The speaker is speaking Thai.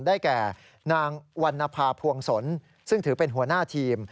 ได้แก่นางวันนภาพวงศลซึ่งถือเป็นหัวหน้าทีม